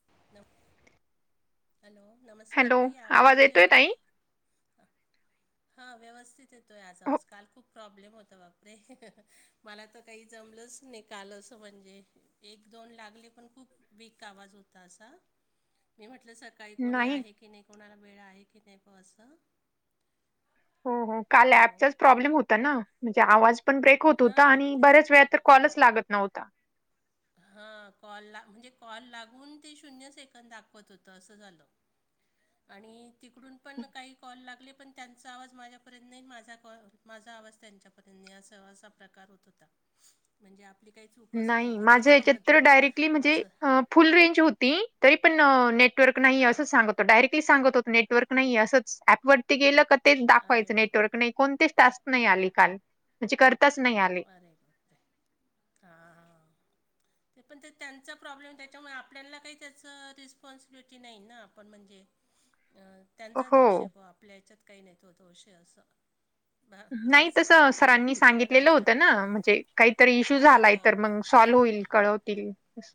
[inaudible] Hello नमस्कार ताई आवाज येतोय का. ह हां व्यवस्थित येतो. त आज हो आज काल खूप प्रॉब्लेम होतं बापरे मला तर काही जमलंच नििकाल असं म्हणजे एक दोन लागले पण खूप वीक आवाज होता असा लं सकाळी कोणी आहे की नाही कोणाला वेळ आहे की नाही प अस हो हो काल ऍपचाच प्रॉब्लेम होता ना म्हणजे आवाज पण ब्रेक होत होता हां आणि ते बऱ्याच वेळा तर कॉलच लागत नव्हता. हा कॉल ला म्हणजे कॉल लागून ते शून्य सेकंद दाखवत होतं असं झालं. आणि तिकडून पण काही कॉल लागले पण त्यांचा आवाज माझ्यापर्यंत नाही माझा कॉ माझा आवाज त्यांच्यापर्यंत नाही अस असा प्रकार होत होता म्हणजे आपली काही चूकच नाही नव्हती माझ्या याच्यात तर त्याच्यामध्ये डायरेक्टली म्हणजे असं अ, फुल रेंज होती तरी पण नेटवर्क नाही हां असं सांगत तो डायरेक्टली सांगत होतो नेटवर्क नाही असच ऍपवररती गेलं का तेच अरे दावायचं वा नेटवर्क नाही. कोणतेच तास्क नाही आली काल म्हणजे करताच नाही आला हरे कते हा हां ते पण ते त्यांचा प्रॉब्लेम त्याच्यामुळे आपल्याला काही त्याचं रिस्पॉन्सिबिलिटी नाही ना आपण म्हणजे अं त्यांचा हो दोष आहे व आपल्या ह्याच्यात काही नाही तो दोष आहे असं झालं नाही तसं सकाळचं सरांनी आवरून सगळं सांगितलेलं नाश्ता होतं पण म्हणजे काहीतरी इशू हां झालाय तर हां मग सॉल्व होईल कळवतील अस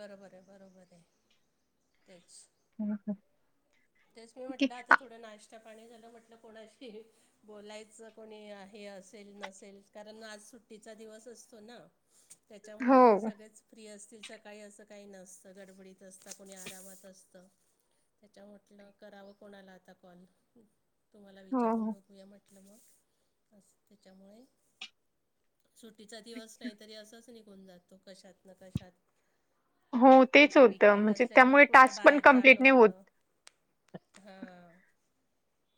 बरोंबर आहे बरोबर आहे तेच [inaudible] तेच मी की म्हटलं आता थोडं नाश्ता पाणी झालं. म्हटलं कोणाशी बोलायचं कोणी हे असेल नसेल कारण आज सुट्टीचा दिवस असतो ना हो त्याच्यामुळे सगळेच फ्री असतील सकाळी असं काही नसतं गडबडीत असतात कोणी आरामात असतं त्याच्यामुळे म्हटलं करावं कोणाला आता कॉल तुम्हाला विचारून हो बघूया म्हटलं मग अस त्याच्यामुळे सुट्टीचा दिवस नाही तरी असंच निघून जातो कशात न कशात हो तेच कुठं होतं वकेंड म्हणजे असलं की त्यामुळे कुठं टास्क पण बाहेर जाणं कंप्लीट नाही होत होतं हां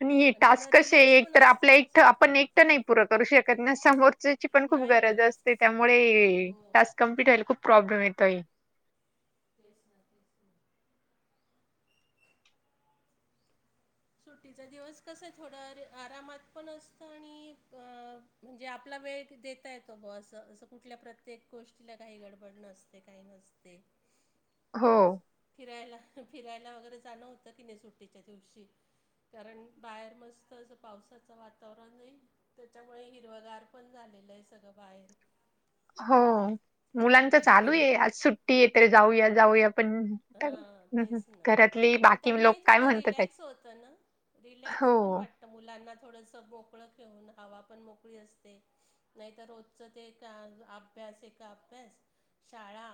प हे आणि थोडं टास्क कसे रिलॅक्स आहे एक पण तर असतं आपल्या ना एकट असं आपण एकटं नाही पूर करू शकत ना समोरच्याची पण खूप नाही ना गरज असते. त्यामुळे हो टास्क कमप्लीट व्हायला खूप प्रॉब्लेम येतोय. तेच ना सुट्टीचा दिवस कसा आहे थोडाे आरामात पण असतं आणि अ म्हणजे आपला वेळ देता येतो ब असं असं कुठल्या प्रत्येक गोष्टीला काही गडबड नसते काही नसते नस्ते हो असं फिरायला फिरायला वगैरे जाणं होतं कि नाही सुट्टीच्या दिवशी कारण बाहेर मस्त असं पावसाचं वातावरण आहे त्याच्यामुळे हिरवगार पण झालेलं आहे सगळं बाहेर हो मुलांच चालू आहे आज त्याच्या सुट्टी आहे तरी जाऊया जाऊया पण आता हा हम्म, हम्म. तेच घरातली ना बाकी लोक त्यांनाही काय थोडं म्हणतात आहे. रिलॅक्स होतं ना रिलॅक्स पण हो वाटत तर मुलांना थोडंसं मोकळं घेऊन हवा पण मोकळी असते नाहीत रोजचं ते एक अभ्यास ए अभ्यास शाळा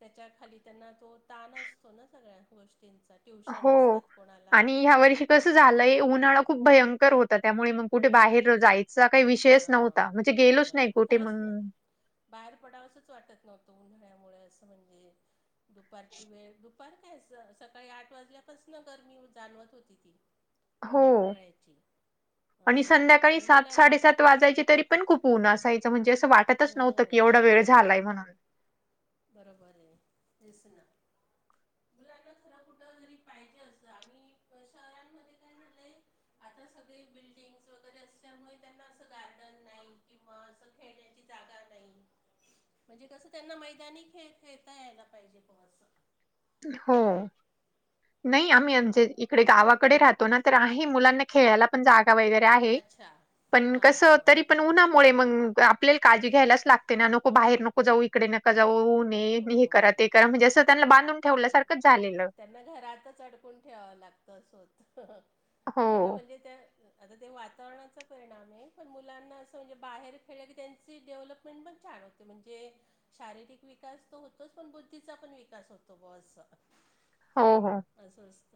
त्याच्या खाली त्यांना तो ताण असतो ना सगळ्या गोष्टींचा ट्युशन हो असतात कोणाला आणि ह्या वर्षी कसं अशा अशा झालंय उन्हाळा खूप भयंकर होता त्यामुळे मग कुठे बाहेर जायचं चा काही विषयच हां नव्हता म्हणजे गेलोच नाही बरोबर कुठे खरंच ना मग बाहेर पडावसंच वाटत नव्हतं उन्हाळ्यामुळे असं म्हणजे दुपारची वेळु फर काय सकाळी आठ वाजल्यापासून गरमी जाणवत होती ती हो. उन्हाळ्याची असं आणि मुलांना साडेसात वाजायची तरी पण खूप उन्हं असायच म्हणजे असं वाटतच हो नव्हतं की एवढा वेळ झालाय म्हणाला बरोबर आहे दिस ना गुलाला खर कुठ घरी पाहिजे असत आणि शहरांमध्ये काय झालंय आता सगळे बिल्डिंगस वगैरे असल्यामुळे त्यांना असं गार्डन नाही किंवा अस खेण्याची जागा नाही म्हणजे कस त्यांना माहि ख खेता यायला पाहिजे पच हो नाही आम्ही म्हजे इकडे गावाकडे राहतो ना तर आहे मुलांना खेळाला पण जागा वगैरे आहे अच्छा पण हां कस हां तरी पण उन्हामुळे मग आपल्याला काळी घ्यायलाच लागते ना नको बाहेर नको जाऊ इकडे नका जाऊ हो हे करा ते करा तर म्हणजे असं त्यांना बांधून ठेवल्या आहे. सारखंच झालेलं त्यांना घरातच अडकून ठेवाव लागत अस होत हो, खर म्हणजे त्या आता ते वातावरणाचा परिणाम आहे पण मुलांना असं म्हणजे बाहेर खेळलं की त्यांची डेव्हलपमेंट पण छान होते म्हणजे शारीरिक विकास तर होतोच पण बुद्धीचा पण विकास होतो ब हो हो असवस्त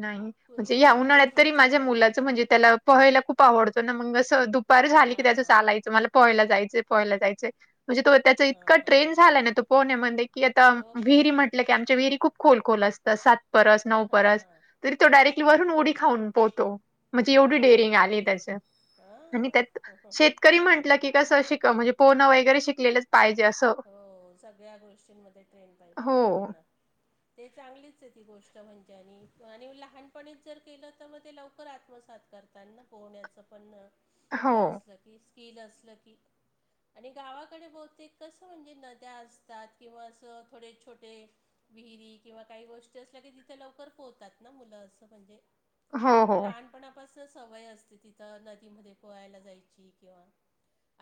नाही म्हणजे या उन्हाळ्यात तरी माझ्या होतं आता मुलाचं म्हणजे त्याला पहायला खूप आवडतो ना मग अस दुप पर झाली की हां त्याचं हां चालायचं मला पोहायला जायचं पोहायला जायचं म्हणजे त त्याच हां इतका हां ट्रेन झाला ना तो पोहण्या मध्ये, की आता हो का विहिरी म्ह की आमच्या विहिरी खूप खोल खोल असतात. सात परस नऊ हा परस हा तरी तो डायरेक्टली वरून उडी खाऊन पोहतो. म्हणजे एवढी अरे डेअरिंग आली बापरे! त्याच आणि त्यात हां शेतकरी म्हंटलं की कसं शिक म्हणजे पोहाणे वगैरे शिकलेलंच पाहिजे असं हो सगळ्या गोष्टींमध्ये ट्रेन पाहिज. हो, बरोबर आहे ना ते चांगलीच आहे ती गोष्ट म्हणजे आणि आणि लहानपणीच जर केलं तर मग ते लवकर आत्मसात करते त्यांना पोहण्याचं पण हो, हे असलं की स्किल असलं की आणि गावाकडे बहतेक कसं म्हणजे नद्या असतात किंवा असं थोडे छोटे विहिरी किंवा काही गोष्टी असल्या की तिथे लवकर पोहतात ना मुलं असं म्हणजे हो, त्यांना हो. लहानपणापासून सवय असते तिथं नदीमध्ये पोहायला जायची किंवा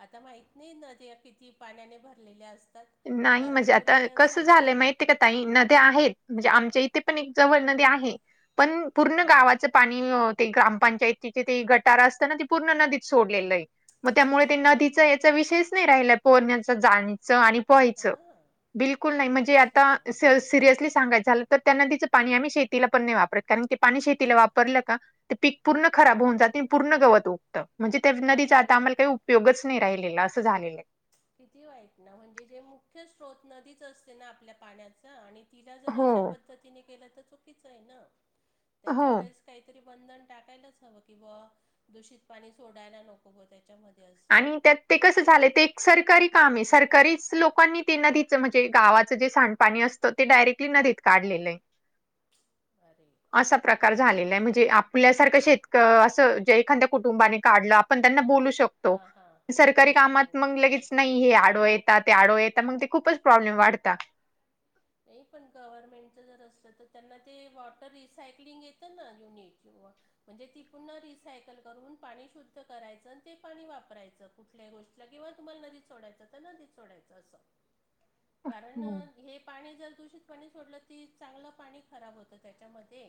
आता माहत नाही नद्या किती पाण्याने भरलेल्या असतात नाही कारण म्हणजे आता पूर्वी कसं असायच्या झालंय माहिती का ताई नद्या आहेत म्हणजे हां आमच्या इथे पण जवळ हां नदी आहे पण पूर्ण गावा हां पाणी ते ग्रामपंचायतीचे ते गटारा असत ना ते पूर्ण नदीत सोडलेलं आहे मग त्यामुळे ते अरे नदीचा याचा बापरे विषयच नाही राहिला पोरण्याच जाण्याच आणि वहायचं हां बिलकुल नाही म्हणजे आता अच्छा सिरियसली सांगायचं झालं तर त्यांना तिचं पाणी आम्ही शेतीला पण नाही वापरत कारण ते पाणी शेतीला वापरलं का ते पीक पूर्ण खराब होऊन अरे जाते आणि पूर्ण गवत उगतं म्हणजे ते नदी बा- अरे जात आम्हाला काही बापरे उपयोगच नाही राहिलेलं असं झालेलं आहे किती वाईट ना म्हणजे जे मुख्य स्रोत नदीच असते ना आपल्या पाण्याचा आणि तिला जर अशा हो पद्धतीने केलं तर चुकीचं आहे ना त्याच्या हो वेळेस काहीतरी बंधन टाकायलाच हवं किंवा दूषित पाणी सोडायला नको त्याच्यामध् आणि त्यात ते कसं झालंय ते सरकारी काम ये सरकारीच लोकांनी त्यां नदीच म्हणजे गावाचं जे सांडपाणी अस त ते डायरेक्टली नदीत काढलेले आहे. [unintelligible] असा प्रकार झालेला खूपच आहे म्हणजे आपल्यासारखं खूपच शेतक असं जे एखाद्या कुटूंबानी काढल आपण त्यांना बोलू शकतो हां हां हो सकारी हो कामात मंग लगेचं नाही हे आडव येता ते आडवा येता मग ते खूपच अच्छा हां प्रॉब्लेम वाढता. नाही पण गव्हर्नमेंटचं जर असलं तर त्यांना ते वॉटर रिसायक्लिंग येतं ना युनिट वॉटर म्हणजे ती पुर्ण रिसायकल करून पाणी शुद्ध करायचं आणि ते पाणी वापरायचं. कुठल्याही गोष्टीला किंवा तुम्हाला नदी सोडायचं तर नदी सोडायचं असं कारण हो. हे पाणी जर दूषित पाणी सोडलं ती चांगलं पाणी खराब होतं त्याच्यामध्ये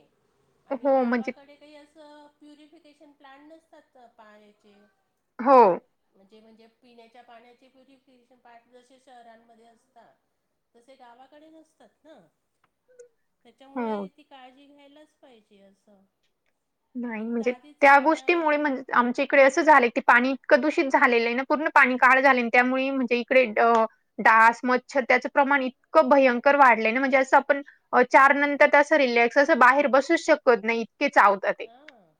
आणि हो, म्हणजे गावाकडे काही असं प्युरिफिकेशन प्लांट नसतात पाण्याचे हो. म्हणजे म्हणजे पिण्याच्या पाण्याचे प्युरिफिकेशन प्लांट जसे शहरांमध्ये असता तसे गावाकडे नसतात ना हो. त्याच्यामुळे ती काळजी घ्यायलाच पाहिजे असं नाही एक तर म्हणजे आधीच त्या पाण्या गोष्टीमुळे म्हण आमच्या इकडे असं झालंय की पाणी इतकं दूषित झालेलं आहे ना पूर्ण पाणी काळ झाले त्यामुळे म्हणजे इकडे अ डास मच्छर त्याचं प्रमाण इतकं भयंकर वाढलय ना म्हणजे असं आपण अ चार अरे नंतर त असं रिलॅक्स असं बाहेर बसूच शकत नाही इतके चावतात. ते. हा.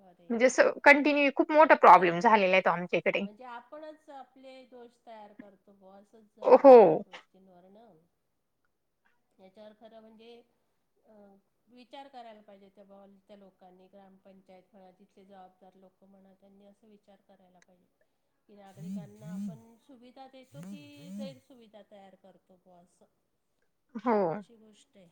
अ ते म्हणजे असं कंटिन्यू खूप मोठा खूपच प्रॉब्लेम सुध झालेला आहे तो आमच्या इकडे. म्हणजे आपणच त आपले दोष तयार करतो बुआ असंच हो, झालं ना या गोष्टींवरण याच्यावर खरं म्हणजे अ विचार करायला पाहिजे त्या भावांनी. त्या लोकांनी ग्रामपंचायत म्हणा जिथले जबाबदार लोकं म्हणा त्यांनी असा विचार करायला पाहिजे. की नाय आपण यांना आपण सुविधा देतो की गैर सुविधा तयार करतो. हो असं हो. अशी गोष्ट आहे.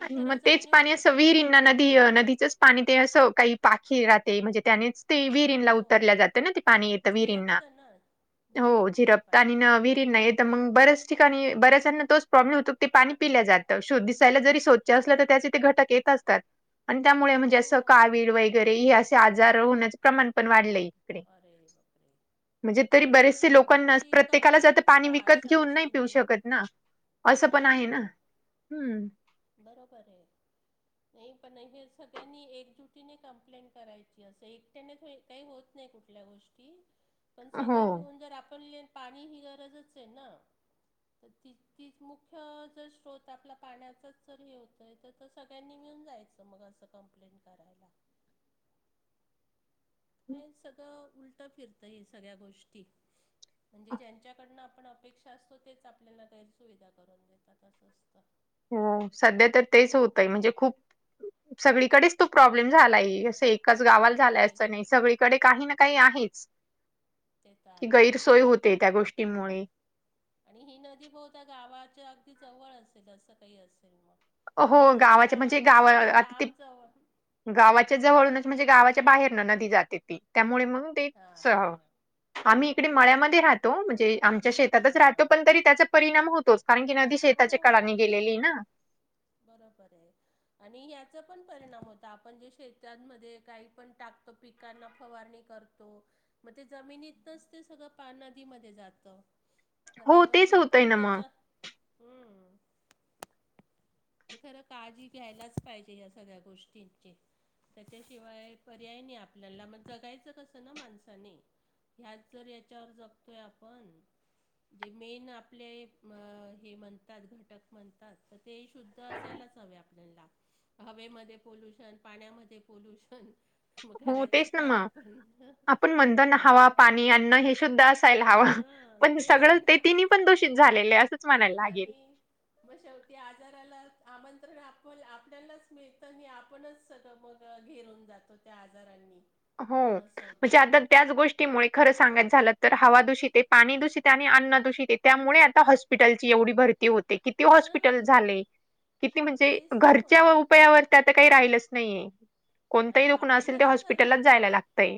ही आणि खरं मग तेच जाणीव पाणी पत असं विहिरीनां नदी नदीचंच पाणी ते असं काही पाखी राहते म्हणजे त्यानीच ते विहिरींला हो उतरल्या जाते ना ते पाणी येतं विरींना झिरपतं ना हो झिरपतं ते झिरपत पाणी आणि विहीरींना येत त मंग बऱ्याच ठिकाणी बऱ्याचांना तोच प्रॉब्लेम होतो ते पाणी पिल जात शो दिसायला जरी स्वच्छ असलं त त्यांच ते घटक येत असतात आणि त्यामुळे म्हणजे हो असं हो कावीळ वैगरे हे असं आजार होण्याचं प्रमाण पण वाढलेय. अरे बपरे! म्हणजे तरी बरेचसे लोकांना प्रत्येकालाच आता कंप्लेंट पाणी करा विकत अशा घेऊन नाही पिऊ गोष्टींनी शकत ना. असं पण आहे ना हम्म बरोबरये. नाही पण हे सगळ्यांनी एकजुटीने कंप्लेंट करायची असं एक एकट्याने काही होत नाही कुठल्या गोष्टी पण सगळे हो. मिळून जर आपण ल्यन पाणी ही गरजच आहे ना. तर ती तीच मुख्य जर स्रोत आपला पाण्याचाचं जर हे होतंय तर त सगळ्यांनी मिळून जायचं मग असं कंप्लेंट करायला. काय सगळं उलटं फिरतं हे सगळ्या गोष्टी म्हणजे ज्यांच्याकडनं आपण अपेक्षा असतो तेच आपल्याला गैरसुविधा करून देतात असं असतं. हो सध्या तर तेच होतय म्हणजे खूप सगळीकडेच तो प्रॉब्लेम झालाय. हा एकाच गावाल झालंय तेच असतं ना नाही सगळीकडे काही ना काही आहेच. तेेत आहे ब सोय होते त्या गोष्टीमुळे. आणि ही नदी बहुता गावाच्या अगदी जवळ असेल असं काही असेल मग. आमच्या हो तिकडं गावाच्या म्हणजे गाव गावांपासून जे आता ते लांब जवळ हा गावचा जवळूनच म्हणजे गावाच्या बाहेर न नदी जाते ती त्यामुळे मग ते हा हा हा आम्ही इकडे मळ्यामध्ये राहतो म्हणजे आमच्या हा शेतातच हा राहतो पण तरी त्याच परिणाम होतोच् कारण की नदी हो शेताच्या कडाने होतच गेलेली ना बरोबर आहे. आणि याचा पण परिणाम होत आपण जे शेताणमध्ये काही पण टाकतो पिक कांना फवारणी करतो. मग ते जमिनीतनच ते सगळं पान नदीमध्ये जातं. तर हो तेच हे होतंय पण ना त्याच मग हम्म ते खरं काळजी घ्यायलाच पाहिजे या सगळ्या गोष्टींची. त्याच्याशिवाय पर्याय नाही आपल्याला मग जगायचं कसं ना माणसाने? ह्यात जर याच्यावर जगतोय आपण. जे मेन आपले हे म्हणतात घटक म्हणतात तर ते शुद् तर असायलाच हवे आपल्याला हवेमध्ये पोल्युशन पाण्यामध्ये पोल्युशन मग हो करायचं तेच ना काय मग आपण? आपण म्हणत ना हवा अशी पाणी अन्न हे सुुद्ध ह हा पण तेच सगळं ते ना तिनि पण दोषित झालेले अस आणि मग शेवटी आजाराला आमंत्रण आप आपल्यालाच मिळतं आणि आपणच सगळं मग घेरून जातो त्या आजारांनी. हो असं म्हणजे होतं आता त्याच गोष्टीमुळे खरं सांगायच् झालं तर हवा दूषित आहे पाणी दूषित आहे आणि अन्न दूषित आहे त्यामुळे आता हॉस्पी स्पिटलची एवढी भरती होते किती हॉस्पिटल हां झाले किती म्हणजे तेच ना घरच्या मग रुपयावर आता काही राहिलच नाहीे कोणताही आणि दुख्ण आपण असेल ते कसं हॉस्पिटललाच करणार ना जायला लागतय.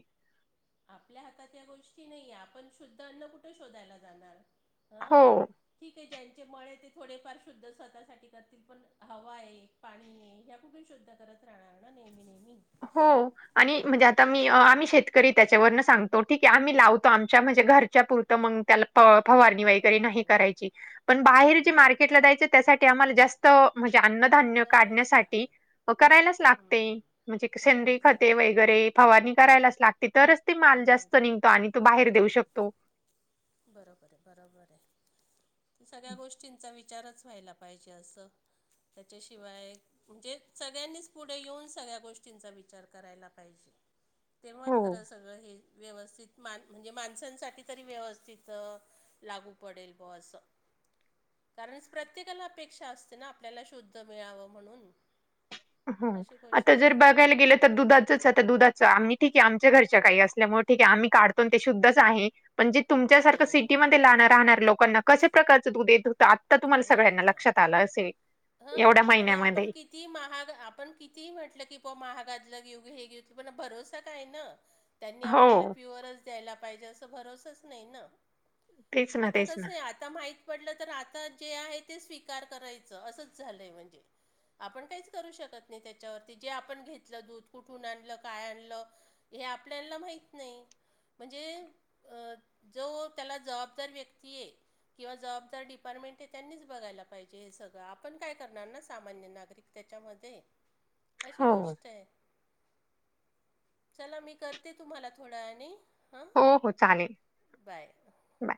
आपल्या हातात या गोष्टी नाहीे आपण शुद्ध अन्न कुठे शोधायला जाणार हं? हो. ठीक आहे ज्यांचे मळे आहे ते थोडेफार शुद्ध स्वतःसाठी करतील पण हवा आहे. पाणी ह्या कुठे शुद्ध करत राहणार ना नेहमी नेहमी? हो आणि असं म्हणजे आता आता मी आम्ही शेतकरी त्याच्यावरन सांगतो ठीक आहे आम्ही लावतो आमच्या म्हणजे घरच्या पुरतं मग त्याला फवारणी वगैरे नाही हो करायची पण बाहेर जे बरोबर आहे मार्केटला जा्यायच त्यासाठी आम्हाला जास्त म्हणजे अन्नधान्य करावीच काढण्यासाठी लागते करायलाच हं, लागते. हं. म्हणजे सेनरी करावीच खते लागते वगैरे फवारणी करायलाच लागते तरच तेी माल जास्त करावीच निघतो लाग आणि तो बाहेर देऊ शकतो. बरोबर आहे बरोबर आहे. सगळ्या गोष्टींचा विचारच व्हायला पाहिजे असं त्याच्याशिवाय म्हणजे सगळ्यांनीच पुढे येऊन सगळ्या गोष्टींचा विचार करायला पाहिजे. तेव्हा हो. खरं सगळं हे व्यवस्थित मा म्हणजे माणसांसाठी तरी व्यवस तिथं लागू पडेल ब असं कारण प्रत्येकाला अपेक्षा असते ना आपल्याला शुद्ध मिळावं म्हणून? हो अशी आता गोष्ट जर आहे बघयला गेलं तर दुधाच आहे तर दुधाच आम्ही ठीके आमच्या घरच्या काही असल्यामुळे ठीके आम्ही काढतो ते शद्धच आहे. म्हणजे तुमच्यासारखं हो सिटीमध्ये राणार लोकांना कशा प्रकारचं दूध येत होतं आ तुम्हाला सगळ्यांना लक्षात आलं असेल. हा एवढ्या आणि आपण महिन्यामध्ये. कि किती महाग आपण कितीही म्हटलं कि प महागातलं घेऊ हे घेऊ पण भरोसा काय ना? त्यांनी आपल्याला हो. प्युअरच द्यायला पाहिजे असं भरोसच नाही ना? तेच ना, आता तेच ना. कसं आहे आता माहित पडलं तर आता जे आहे ते स्वीकार करायचं असंच झालंय म्हणजे आपण काहीच करू शकत नाही त्याच्यावरती जे आपण घेतलं दूध कुठून आणलं काय आणलं हे आपल्याला माहत नाही म्हणजे जो त्याला जबाबदार व्यक्ती आहे किंवा जबाबदार डिपार्टमेंट आहे त्यांनीच बघायलाहिजे हे सगळं आपण काय करणार ना सामान्य नागरिक त्याच्यामध्ये अशी हो. गोष्ट आहे चला मी करते तुम्हाला थोडं आणि ह हो हो चालेल बाय बाय.